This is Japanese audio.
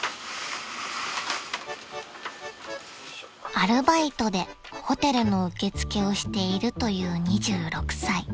［アルバイトでホテルの受け付けをしているという２６歳］